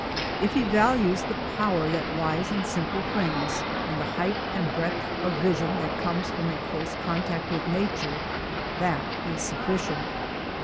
If he values the power that lies in simple things and the height and breadth of vision that comes from a close contact with nature, that is sufficient.